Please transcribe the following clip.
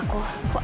aku gak ngerti